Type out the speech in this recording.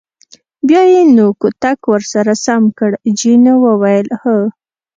بیا به یې نو کوتک ور سم کړ، جینو وویل: هو.